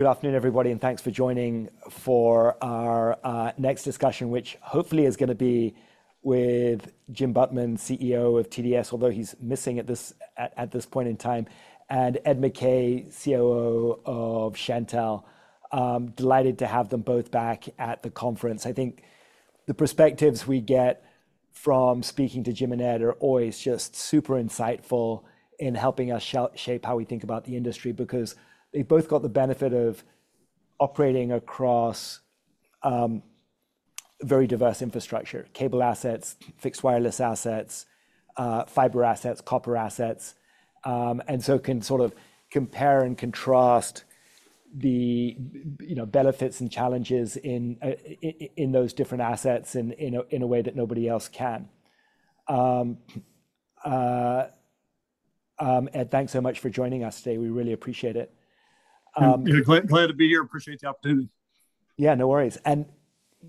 Good afternoon, everybody, and thanks for joining for our next discussion, which hopefully is gonna be with Jim Butman, CEO of TDS, although he's missing at this point in time, and Ed McKay, COO of Shentel. Delighted to have them both back at the conference. I think the perspectives we get from speaking to Jim and Ed are always just super insightful in helping us shape how we think about the industry, because they've both got the benefit of operating across very diverse infrastructure: cable assets, fixed wireless assets, fiber assets, copper assets. And so can sort of compare and contrast the, you know, benefits and challenges in those different assets in a way that nobody else can. Ed, thanks so much for joining us today. We really appreciate it. You're welcome. Glad to be here. Appreciate the opportunity. Yeah, no worries.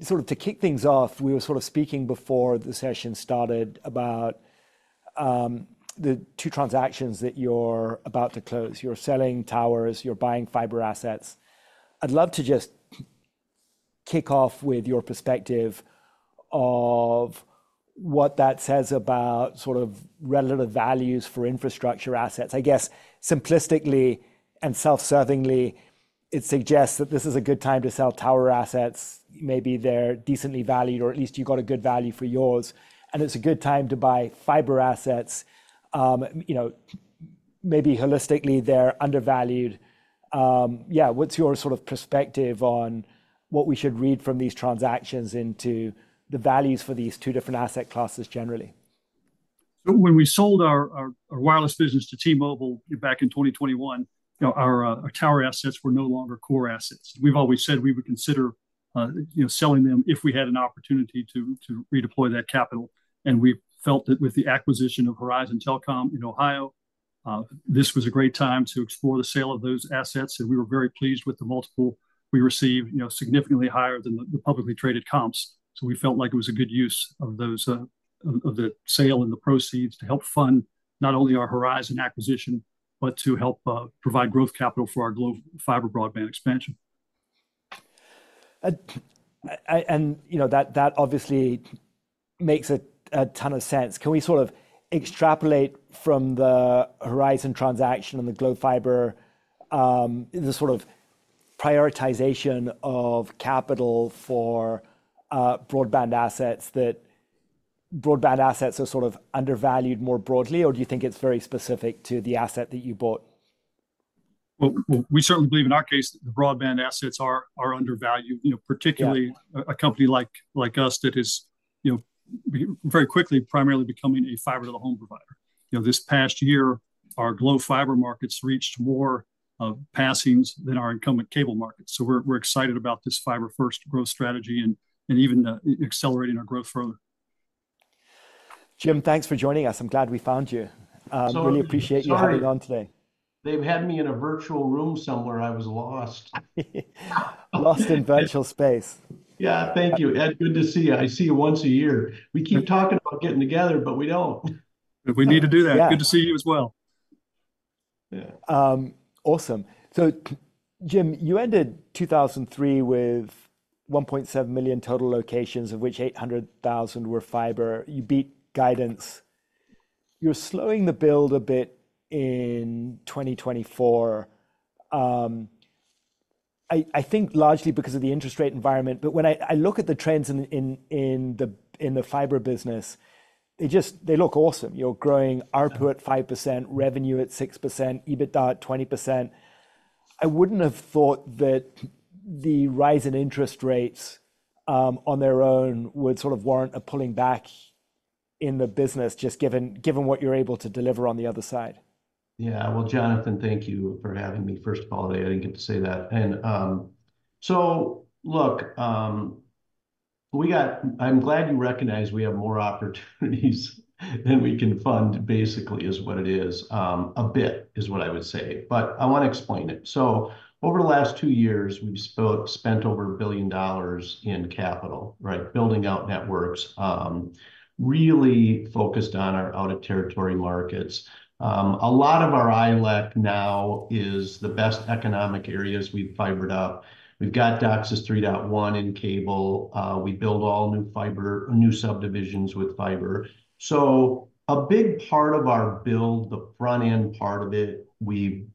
Sort of to kick things off, we were sort of speaking before the session started about the two transactions that you're about to close. You're selling towers, you're buying fiber assets. I'd love to just kick off with your perspective of what that says about sort of relative values for infrastructure assets. I guess simplistically and self-servingly, it suggests that this is a good time to sell tower assets. Maybe they're decently valued, or at least you got a good value for yours, and it's a good time to buy fiber assets. You know, maybe holistically, they're undervalued. Yeah, what's your sort of perspective on what we should read from these transactions into the values for these two different asset classes generally? So when we sold our wireless business to T-Mobile back in 2021, you know, our tower assets were no longer core assets. We've always said we would consider, you know, selling them if we had an opportunity to redeploy that capital, and we felt that with the acquisition of Horizon Telcom in Ohio, this was a great time to explore the sale of those assets, and we were very pleased with the multiple we received, you know, significantly higher than the publicly traded comps. So we felt like it was a good use of those of the sale and the proceeds to help fund not only our Horizon acquisition, but to help provide growth capital for our Glo Fiber broadband expansion. And, you know, that obviously makes a ton of sense. Can we sort of extrapolate from the Horizon transaction and the Glo Fiber, the sort of prioritization of capital for broadband assets, that broadband assets are sort of undervalued more broadly, or do you think it's very specific to the asset that you bought? Well, well, we certainly believe in our case, the broadband assets are undervalued, you know- Yeah... particularly a company like us, that is, you know, very quickly primarily becoming a fiber-to-the-home provider. You know, this past year, our Glo Fiber markets reached more passings than our incumbent cable markets, so we're excited about this fiber-first growth strategy and even accelerating our growth further. Jim, thanks for joining us. I'm glad we found you. Sorry. Really appreciate you hopping on today. Sorry. They've had me in a virtual room somewhere. I was lost. Lost in virtual space. Yeah. Thank you, Ed, good to see you. I see you once a year. We keep talking about getting together, but we don't. We need to do that. Yeah. Good to see you as well. Yeah. Awesome. So Jim, you ended 2023 with 1.7 million total locations, of which 800,000 were fiber. You beat guidance. You're slowing the build a bit in 2024, I think largely because of the interest rate environment. But when I look at the trends in the fiber business, they just look awesome. You're growing ARPU at 5%, revenue at 6%, EBITDA at 20%. I wouldn't have thought that the rise in interest rates on their own would sort of warrant a pulling back in the business, just given what you're able to deliver on the other side. Yeah. Well, Jonathan, thank you for having me, first of all today. I didn't get to say that. And, so look, I'm glad you recognize we have more opportunities than we can fund, basically, is what it is. A bit, is what I would say, but I want to explain it. So over the last 2 years, we've spent over $1 billion in capital, right? Building out networks, really focused on our out-of-territory markets. A lot of our ILEC now is the best economic areas we've fibered up. We've got DOCSIS 3.1 in cable. We build all new fiber, new subdivisions with fiber. So a big part of our build, the front-end part of it, we've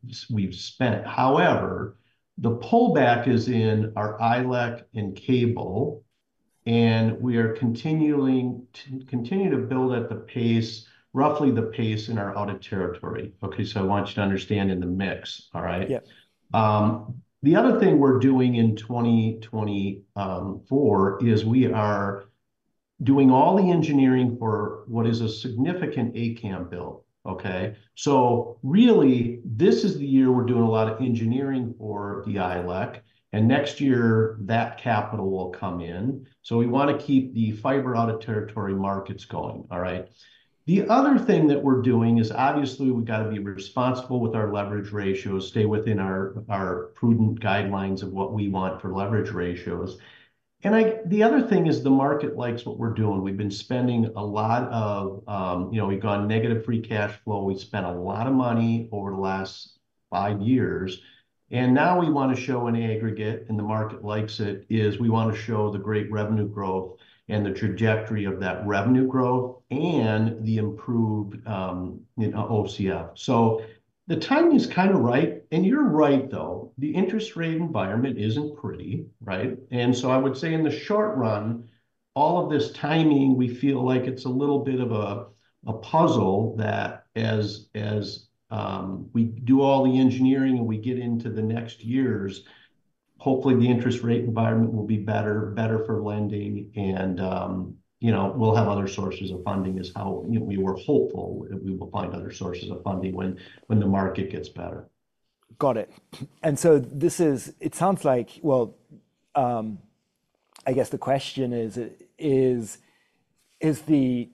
spent. However, the pullback is in our ILEC and cable, and we are continuing to... Continue to build at the pace, roughly the pace in our out-of-territory. Okay, so I want you to understand in the mix, all right? Yep. The other thing we're doing in 2024 is we are doing all the engineering for what is a significant A-CAM build, okay? So really, this is the year we're doing a lot of engineering for the ILEC, and next year, that capital will come in. So we want to keep the fiber out-of-territory markets going, all right? The other thing that we're doing is, obviously, we've got to be responsible with our leverage ratios, stay within our, our prudent guidelines of what we want for leverage ratios. And I, the other thing is the market likes what we're doing. We've been spending a lot of, you know, we've gone negative free cash flow. We've spent a lot of money over the last five years, and now we wanna show in aggregate, and the market likes it, is we wanna show the great revenue growth and the trajectory of that revenue growth and the improved, you know, OCF. So the timing is kind of right, and you're right, though. The interest rate environment isn't pretty, right? And so I would say in the short run, all of this timing, we feel like it's a little bit of a puzzle that as we do all the engineering and we get into the next years, hopefully the interest rate environment will be better, better for lending and, you know, we'll have other sources of funding is how, you know, we were hopeful that we will find other sources of funding when the market gets better. Got it. And so this is, it sounds like, well, I guess the question is, is the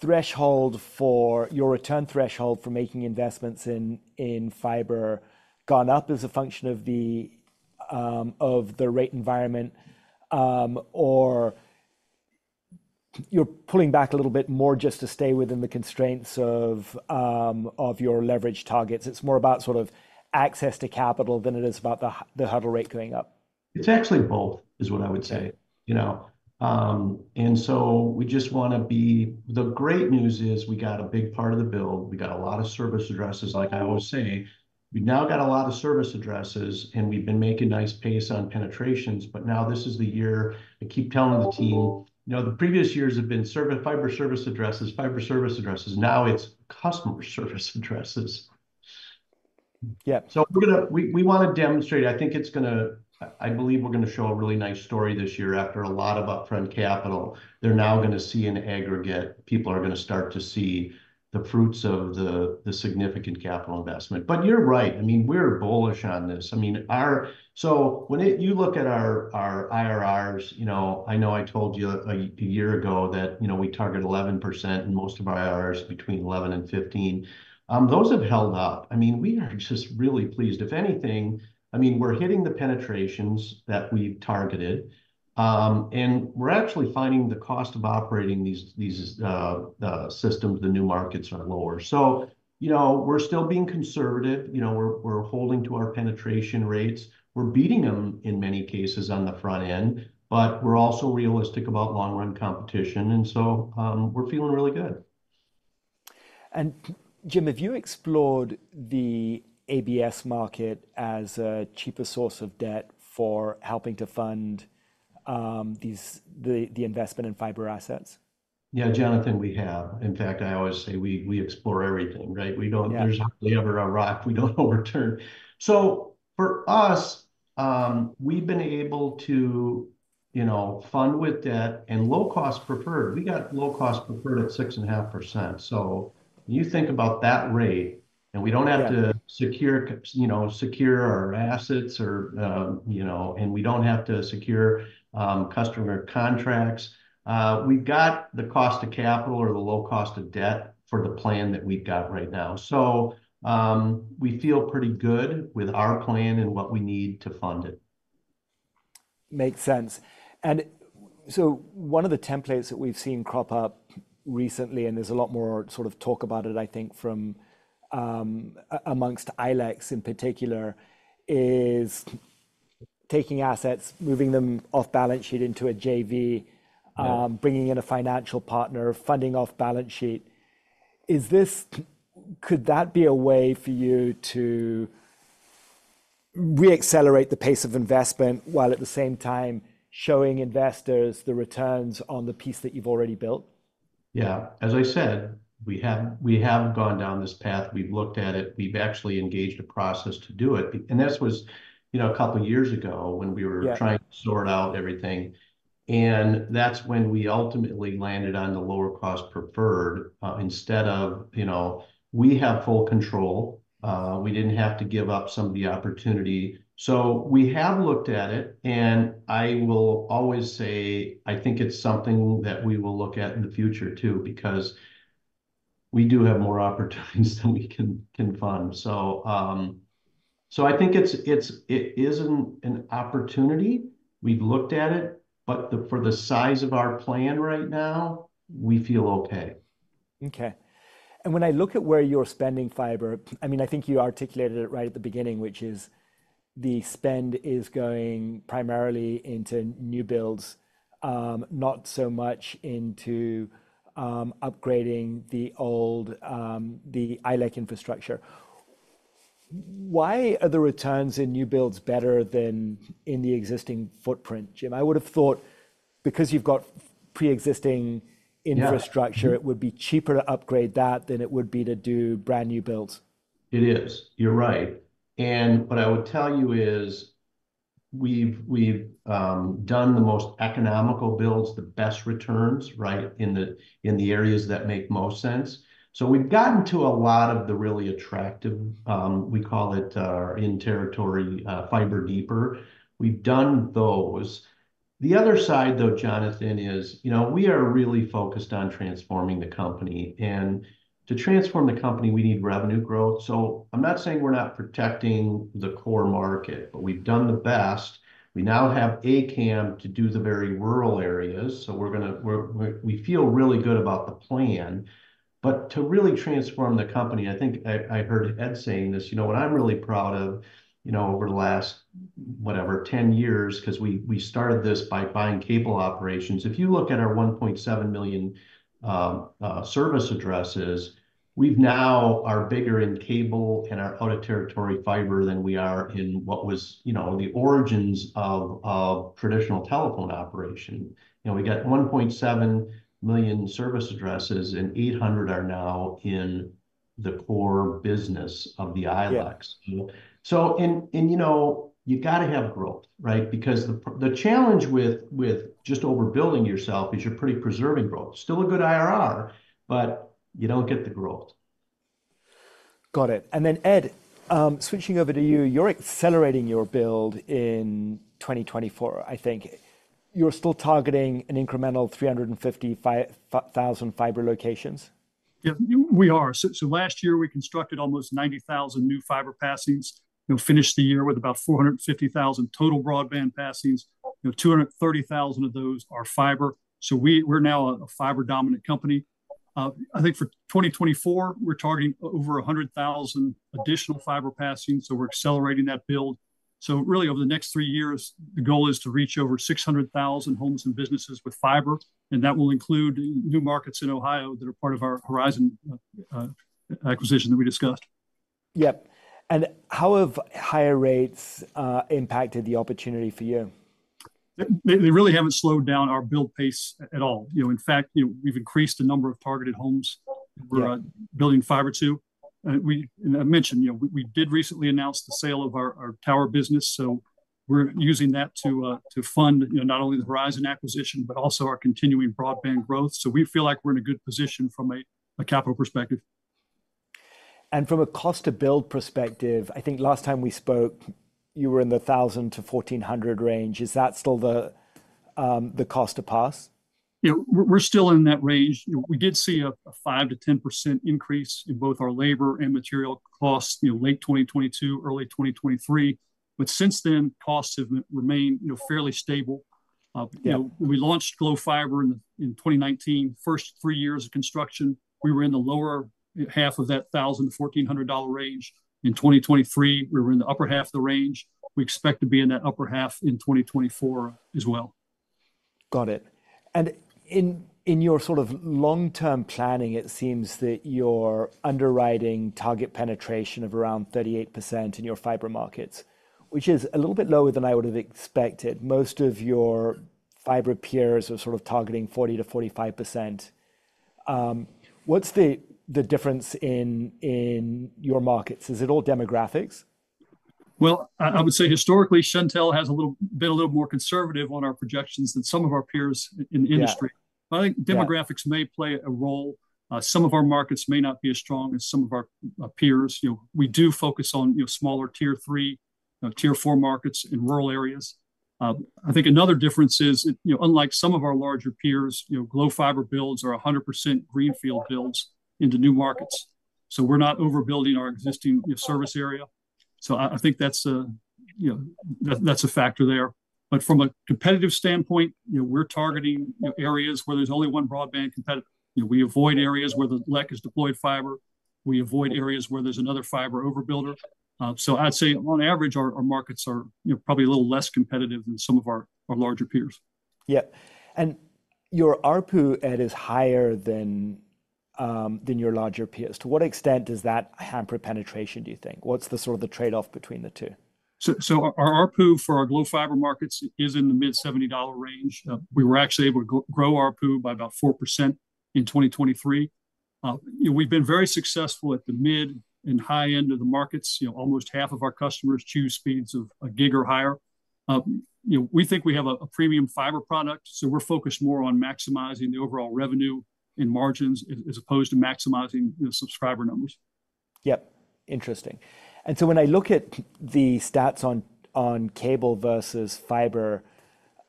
threshold for your return threshold for making investments in fiber gone up as a function of the rate environment, or you're pulling back a little bit more just to stay within the constraints of your leverage targets? It's more about sort of access to capital than it is about the hurdle rate going up. It's actually both, is what I would say, you know. And so we just wanna, the great news is we got a big part of the build. We got a lot of service addresses. Like I always say, we've now got a lot of service addresses, and we've been making nice pace on penetrations, but now this is the year I keep telling the team, "You know, the previous years have been fiber service addresses, fiber service addresses. Now it's customer service addresses. Yeah. So we wanna demonstrate, I think it's gonna. I believe we're gonna show a really nice story this year after a lot of upfront capital. They're now gonna see in aggregate, people are gonna start to see the fruits of the significant capital investment. But you're right. I mean, we're bullish on this. I mean, our. So when you look at our IRRs, you know, I know I told you a year ago that, you know, we target 11%, and most IRRs between 11%-15%. Those have held up. I mean, we are just really pleased. If anything, I mean, we're hitting the penetrations that we've targeted, and we're actually finding the cost of operating these systems, the new markets, are lower. So, you know, we're still being conservative. You know, we're holding to our penetration rates. We're beating them in many cases on the front end, but we're also realistic about long-run competition, and so, we're feeling really good. Jim, have you explored the ABS market as a cheaper source of debt for helping to fund the investment in fiber assets? Yeah, Jonathan, we have. In fact, I always say we, we explore everything, right? Yeah. We don't... There's hardly ever a rock we don't overturn. So for us, we've been able to, you know, fund with debt and low-cost preferred. We got low-cost preferred at 6.5%, so when you think about that rate- Yeah... and we don't have to secure, you know, secure our assets or, you know, and we don't have to secure, customer contracts, we've got the cost of capital or the low cost of debt for the plan that we've got right now. So, we feel pretty good with our plan and what we need to fund it. Makes sense. And so one of the templates that we've seen crop up recently, and there's a lot more sort of talk about it, I think, from amongst ILECs in particular, is taking assets, moving them off balance sheet into a JV- Yeah... bringing in a financial partner, funding off balance sheet. Could that be a way for you to reaccelerate the pace of investment, while at the same time showing investors the returns on the piece that you've already built? Yeah. As I said, we have, we have gone down this path. We've looked at it. We've actually engaged a process to do it, and this was, you know, a couple of years ago when we were- Yeah... trying to sort out everything, and that's when we ultimately landed on the lower cost preferred, instead of, you know, we have full control. We didn't have to give up some of the opportunity. So we have looked at it, and I will always say, I think it's something that we will look at in the future too, because we do have more opportunities than we can fund. So, so I think it is an opportunity. We've looked at it, but for the size of our plan right now, we feel okay. Okay. And when I look at where you're spending fiber, I mean, I think you articulated it right at the beginning, which is the spend is going primarily into new builds, not so much into upgrading the old, the ILEC infrastructure. Why are the returns in new builds better than in the existing footprint, Jim? I would've thought because you've got pre-existing- Yeah... infrastructure, it would be cheaper to upgrade that than it would be to do brand-new builds. It is. You're right, and what I would tell you is, we've done the most economical builds, the best returns, right, in the areas that make most sense. So we've gotten to a lot of the really attractive, we call it, in territory, fiber deeper. We've done those. The other side, though, Jonathan, is, you know, we are really focused on transforming the company, and to transform the company, we need revenue growth. So I'm not saying we're not protecting the core market, but we've done the best. We now have A-CAM to do the very rural areas, so we're gonna. We feel really good about the plan. But to really transform the company, I think I heard Ed saying this, you know, what I'm really proud of, you know, over the last, whatever, 10 years, 'cause we started this by buying cable operations. If you look at our 1.7 million service addresses, we've now are bigger in cable and our out-of-territory fiber than we are in what was, you know, the origins of traditional telephone operation. You know, we got 1.7 million service addresses, and 800 are now in the core business of the ILEC's. Yeah. So, you know, you've gotta have growth, right? Because the challenge with just overbuilding yourself is you're pretty preserving growth. Still a good IRR, but you don't get the growth. Got it. And then Ed, switching over to you, you're accelerating your build in 2024, I think. You're still targeting an incremental 355,000 fiber locations? Yeah, we are. So last year we constructed almost 90,000 new fiber passings, you know, finished the year with about 450,000 total broadband passings. You know, 230,000 of those are fiber, so we're now a fiber-dominant company. I think for 2024, we're targeting over 100,000 additional fiber passings, so we're accelerating that build. So really, over the next three years, the goal is to reach over 600,000 homes and businesses with fiber, and that will include new markets in Ohio that are part of our Horizon acquisition that we discussed. Yep. And how have higher rates impacted the opportunity for you? They really haven't slowed down our build pace at all. You know, in fact, you know, we've increased the number of targeted homes- Yeah... we're building fiber to. And I mentioned, you know, we did recently announce the sale of our tower business, so we're using that to fund, you know, not only the Horizon acquisition but also our continuing broadband growth. So we feel like we're in a good position from a capital perspective. From a cost to build perspective, I think last time we spoke, you were in the $1,000-$1,400 range. Is that still the cost to pass? Yeah, we're still in that range. You know, we did see a 5%-10% increase in both our labor and material costs, you know, late 2022, early 2023, but since then, costs have remained, you know, fairly stable. Yeah... you know, when we launched Glo Fiber in 2019, first three years of construction, we were in the lower half of that $1,000-$1,400 range. In 2023, we were in the upper half of the range. We expect to be in that upper half in 2024 as well. Got it. And in your sort of long-term planning, it seems that you're underwriting target penetration of around 38% in your fiber markets, which is a little bit lower than I would've expected. Most of your fiber peers are sort of targeting 40%-45%. What's the difference in your markets? Is it all demographics? Well, I would say historically, Shentel has been a little more conservative on our projections than some of our peers in the industry. Yeah. Yeah. I think demographics may play a role. Some of our markets may not be as strong as some of our peers. You know, we do focus on smaller Tier 3, you know, Tier 4 markets in rural areas. I think another difference is, you know, unlike some of our larger peers, you know, Glo Fiber builds are 100% greenfield builds into new markets, so we're not overbuilding our existing service area. So I think that's a factor there. But from a competitive standpoint, you know, we're targeting areas where there's only one broadband competitor. You know, we avoid areas where the LEC has deployed fiber. We avoid areas where there's another fiber overbuilder. So I'd say on average our markets are, you know, probably a little less competitive than some of our larger peers. Yeah. Your ARPU, Ed, is higher than your larger peers. To what extent does that hamper penetration, do you think? What's the sort of trade-off between the two? So, our ARPU for our Glo Fiber markets is in the mid-$70 range. We were actually able to grow ARPU by about 4% in 2023. You know, we've been very successful at the mid and high end of the markets. You know, almost half of our customers choose speeds of a gig or higher. You know, we think we have a premium fiber product, so we're focused more on maximizing the overall revenue and margins, as opposed to maximizing, you know, subscriber numbers. Yep. Interesting. And so when I look at the stats on cable versus fiber,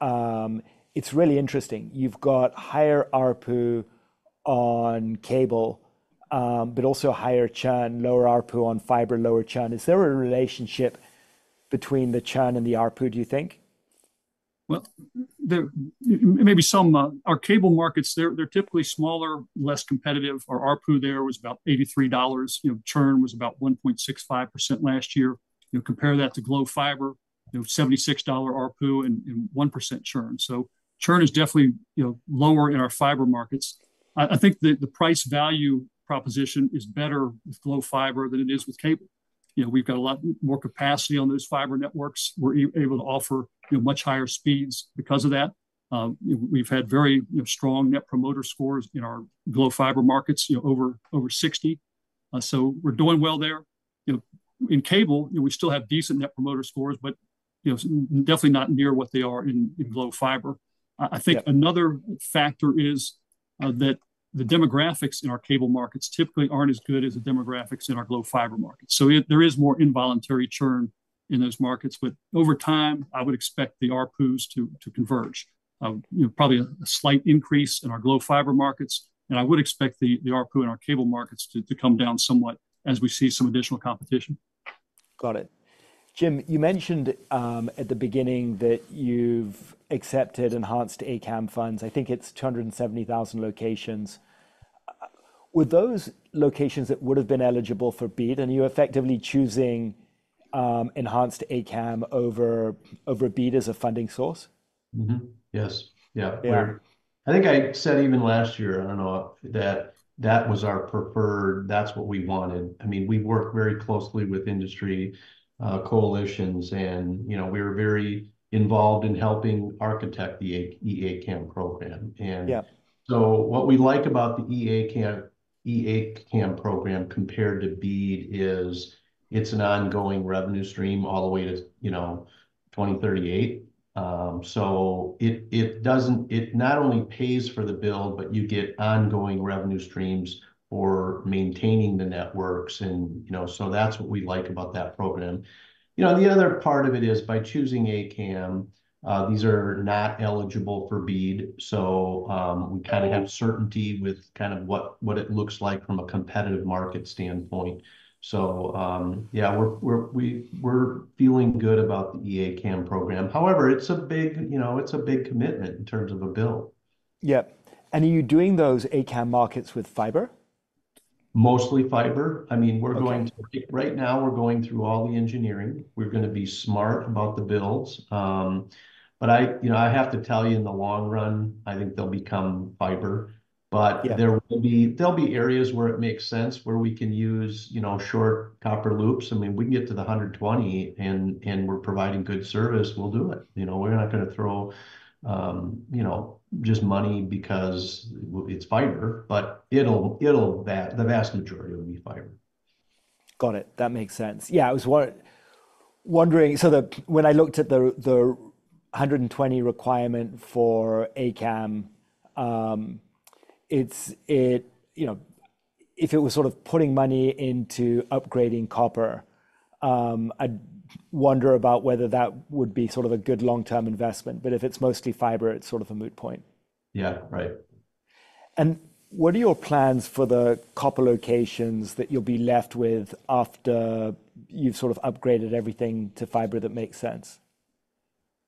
it's really interesting. You've got higher ARPU on cable, but also higher churn, lower ARPU on fiber, lower churn. Is there a relationship between the churn and the ARPU, do you think? Maybe some. Our cable markets, they're typically smaller, less competitive. Our ARPU there was about $83. You know, churn was about 1.65% last year. You compare that to Glo Fiber, you know, $76 ARPU and 1% churn. So churn is definitely, you know, lower in our fiber markets. I think the price-value proposition is better with Glo Fiber than it is with cable. You know, we've got a lot more capacity on those fiber networks. We're able to offer, you know, much higher speeds because of that. You know, we've had very, you know, strong Net Promoter Scores in our Glo Fiber markets, you know, over 60. So we're doing well there. You know, in cable, you know, we still have decent net promoter scores, but, you know, definitely not near what they are in Glo Fiber. Yeah. I think another factor is that the demographics in our cable markets typically aren't as good as the demographics in our Glo Fiber markets. So there is more involuntary churn in those markets, but over time, I would expect the ARPUs to converge. You know, probably a slight increase in our Glo Fiber markets, and I would expect the ARPU in our cable markets to come down somewhat as we see some additional competition. Got it. Jim, you mentioned at the beginning that you've accepted Enhanced A-CAM funds. I think it's 270,000 locations. Were those locations that would've been eligible for BEAD, and you're effectively choosing Enhanced A-CAM over over BEAD as a funding source? Mm-hmm. Yes. Yeah. Yeah. I think I said even last year, I don't know, that that was our preferred... That's what we wanted. I mean, we work very closely with industry, coalitions, and, you know, we were very involved in helping architect the Enhanced A-CAM program. And- Yeah... so what we like about the EA-CAM, EA-CAM program compared to BEAD is it's an ongoing revenue stream all the way to, you know, 2038. So it doesn't- it not only pays for the build, but you get ongoing revenue streams for maintaining the networks and, you know, so that's what we like about that program. You know, the other part of it is, by choosing A-CAM, these are not eligible for BEAD, so, we kind of have certainty with kind of what it looks like from a competitive market standpoint. So, yeah, we're feeling good about the EA-CAM program. However, it's a big, you know, it's a big commitment in terms of a bill. Yeah. And are you doing those A-CAM markets with fiber? Mostly fiber. Okay. I mean, we're going to... Right now, we're going through all the engineering. We're gonna be smart about the builds. But you know, I have to tell you, in the long run, I think they'll become fiber. Yeah. But there will be areas where it makes sense, where we can use, you know, short copper loops. I mean, if we can get to the 120 and we're providing good service, we'll do it. You know, we're not gonna throw, you know, just money because it's fiber, but it'll vary, the vast majority will be fiber. Got it. That makes sense. Yeah, I was wondering, so when I looked at the 120 requirement for A-CAM, it's, you know, if it was sort of putting money into upgrading copper, I'd wonder about whether that would be sort of a good long-term investment, but if it's mostly fiber, it's sort of a moot point. Yeah, right. What are your plans for the copper locations that you'll be left with after you've sort of upgraded everything to fiber that makes sense?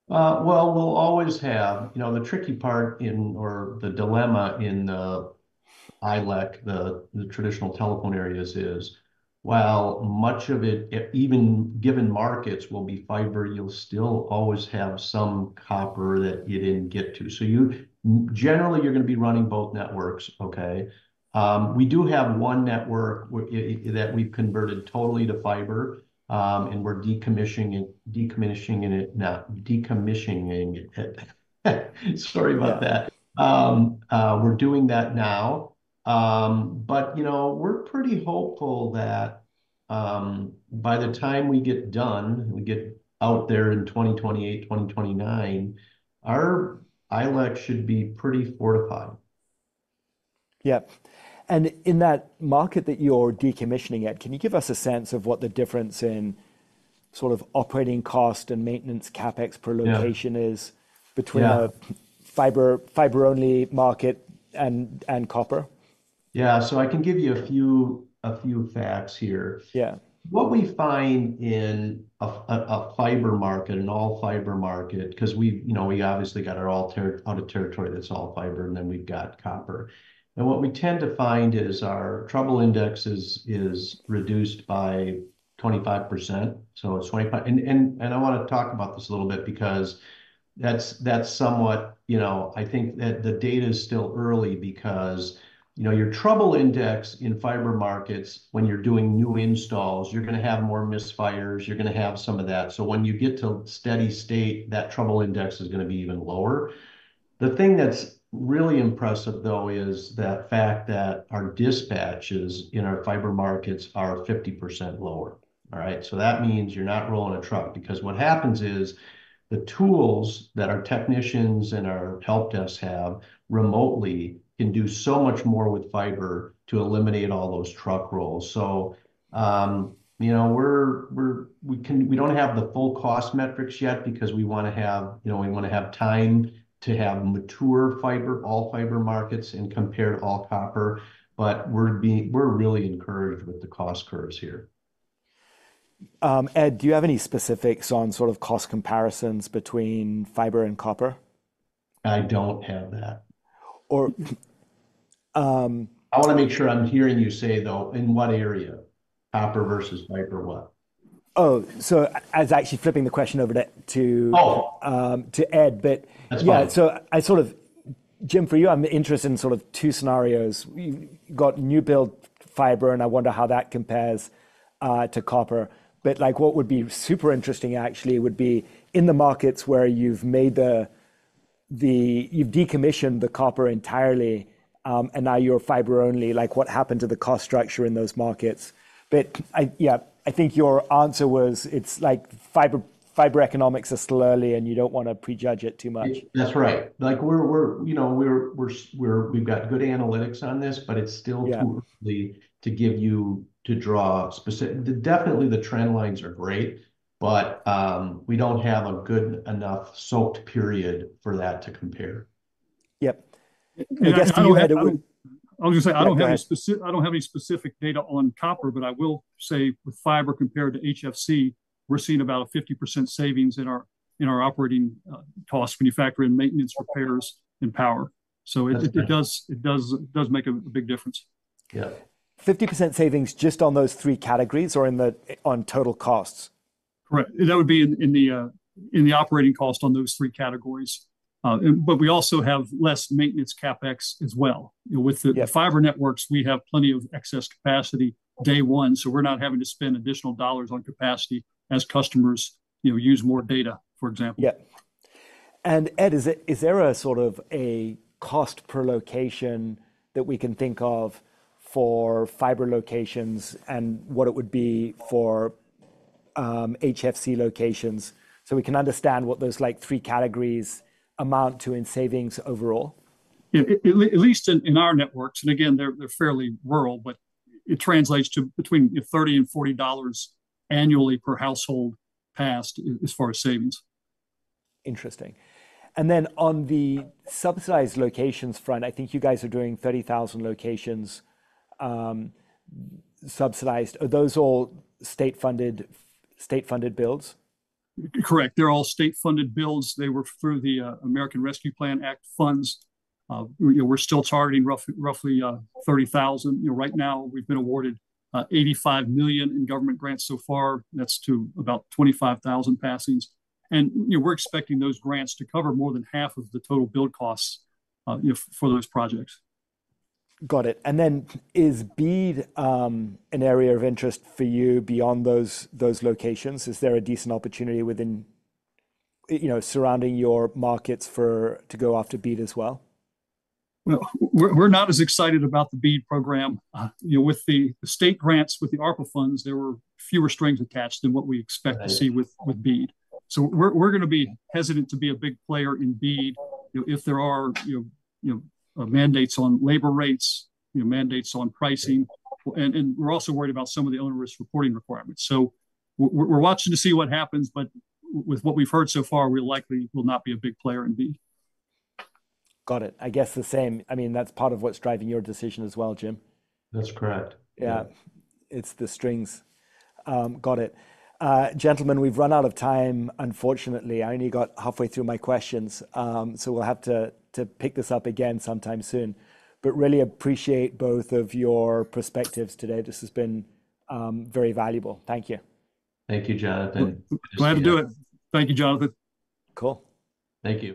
Well, we'll always have... You know, the tricky part in, or the dilemma in, ILEC, the traditional telephone areas is, while much of it, even given markets will be fiber, you'll still always have some copper that you didn't get to. So you, generally, you're gonna be running both networks, okay? We do have one network that we've converted totally to fiber, and we're decommissioning, decommissioning it, no, decommissioning it. Sorry about that. Yeah. We're doing that now. But, you know, we're pretty hopeful that by the time we get done, we get out there in 2028, 2029, our ILEC should be pretty fortified. Yeah. And in that market that you're decommissioning at, can you give us a sense of what the difference in sort of operating cost and maintenance CapEx per location is? Yeah... between a fiber, fiber-only market and copper? Yeah, so I can give you a few facts here. Yeah. What we find in a fiber market, an all-fiber market, 'cause we've, you know, we obviously got our entire territory that's all fiber, and then we've got copper. And what we tend to find is our trouble index is reduced by 25%, so it's 25%. And I wanna talk about this a little bit because that's somewhat, you know, I think that the data is still early because, you know, your trouble index in fiber markets when you're doing new installs, you're gonna have more misfires, you're gonna have some of that. So when you get to steady state, that trouble index is gonna be even lower. The thing that's really impressive, though, is the fact that our dispatches in our fiber markets are 50% lower. All right? So that means you're not rolling a truck, because what happens is, the tools that our technicians and our helpdesk have remotely can do so much more with fiber to eliminate all those truck rolls. So, you know, we don't have the full cost metrics yet because we wanna have, you know, we wanna have time to have mature fiber, all-fiber markets and compare to all copper, but we're really encouraged with the cost curves here. Ed, do you have any specifics on sort of cost comparisons between fiber and copper? I don't have that. Or, um- I wanna make sure I'm hearing you say, though, in what area? Copper versus fiber what? Oh, so I was actually flipping the question over to- Oh... to Ed, but- That's fine. Yeah, so I sort of, Jim, for you, I'm interested in sort of two scenarios. You've got new-build fiber, and I wonder how that compares to copper, but, like, what would be super interesting, actually, would be in the markets where you've made the, you've decommissioned the copper entirely, and now you're fiber only. Like, what happened to the cost structure in those markets? But I, yeah, I think your answer was, it's like fiber, fiber economics are still early, and you don't wanna prejudge it too much. Yeah, that's right. Like we're, you know, we've got good analytics on this, but it's still- Yeah... too early to give you, to draw specific. Definitely the trend lines are great, but we don't have a good enough soak period for that to compare. Yep. I guess you had a- I'll just say- Go ahead... I don't have any specific data on copper, but I will say with fiber compared to HFC, we're seeing about a 50% savings in our, in our operating costs when you factor in maintenance, repairs, and power. That's right. So it does make a big difference. Yeah. 50% savings just on those three categories or in the, on total costs? Correct. That would be in the operating cost on those three categories. And but we also have less maintenance CapEx as well. Yeah. With the fiber networks, we have plenty of excess capacity day one, so we're not having to spend additional dollars on capacity as customers, you know, use more data, for example. Yeah. And Ed, is there a sort of a cost per location that we can think of for fiber locations, and what it would be for HFC locations, so we can understand what those, like, three categories amount to in savings overall? Yeah, at least in our networks, and again, they're fairly rural, but it translates to between $30-$40 annually per household passed as far as savings. Interesting. And then on the subsidized locations front, I think you guys are doing 30,000 locations, subsidized. Are those all state-funded, state-funded builds? Correct, they're all state-funded builds. They were through the American Rescue Plan Act funds. You know, we're still targeting roughly 30,000. You know, right now we've been awarded $85 million in government grants so far. That's to about 25,000 passings, and, you know, we're expecting those grants to cover more than half of the total build costs, you know, for those projects. Got it. And then is BEAD an area of interest for you beyond those, those locations? Is there a decent opportunity within, you know, surrounding your markets for, to go after BEAD as well? Well, we're not as excited about the BEAD program. Ah. You know, with the state grants, with the ARPA funds, there were fewer strings attached than what we expect- Right... to see with BEAD. So we're gonna be hesitant to be a big player in BEAD. You know, if there are, you know, you know, mandates on labor rates, you know, mandates on pricing, and we're also worried about some of the onerous reporting requirements. So we're watching to see what happens, but with what we've heard so far, we likely will not be a big player in BEAD. Got it. I guess the same, I mean, that's part of what's driving your decision as well, Jim? That's correct. Yeah. It's the strings. Got it. Gentlemen, we've run out of time, unfortunately. I only got halfway through my questions. So we'll have to pick this up again sometime soon, but really appreciate both of your perspectives today. This has been very valuable. Thank you. Thank you, Jonathan. Glad to do it. Appreciate it. Thank you, Jonathan. Cool. Thank you.